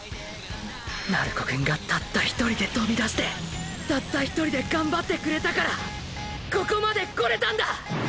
鳴子くんがたった１人でとびだしてたった１人でがんばってくれたからここまで来れたんだ！！